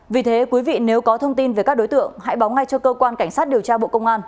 vì thế quý vị nếu có thông tin về các đối tượng hãy báo ngay cho cơ quan cảnh sát điều tra bộ công an